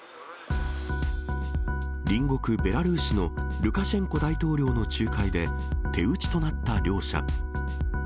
隣国、ベラルーシのルカシェンコ大統領の仲介で、手打ちとなった両者。